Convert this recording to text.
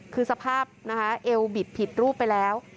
คือสภาพนะคะเอวบิดผิดรูปไปแล้ว